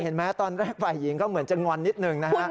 เห็นไหมตอนแรกฝ่ายหญิงก็เหมือนจะงอนนิดหนึ่งนะฮะ